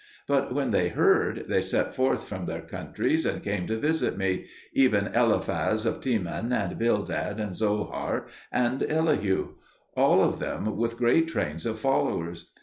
But when they heard, they set forth from their countries and came to visit me, even Eliphaz of Teman, and Bildad, and Zophar, and Elihu; all of them with great trains of followers.